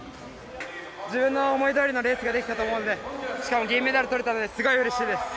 自分の思いどおりのレースができたと思うんで、しかも銀メダルとれたので、すごいうれしいです。